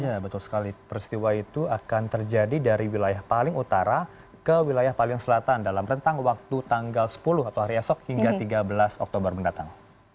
ya betul sekali peristiwa itu akan terjadi dari wilayah paling utara ke wilayah paling selatan dalam rentang waktu tanggal sepuluh atau hari esok hingga tiga belas oktober mendatang